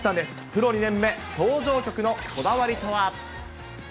プロ２年目、登場曲のこだわりとは。